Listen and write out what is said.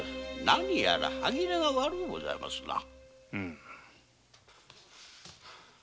何やら歯切れが悪うございますな。